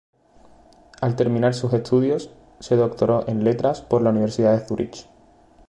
Al terminar sus estudios se doctoró en letras por la Universidad de Zúrich.